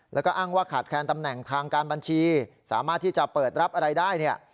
แล้วก็อ้างว่าขาดแคนตำแหน่งทางการบัญชีสามารถที่จะเปิดรับอะไรได้เนี่ย